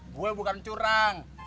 gue bukan curang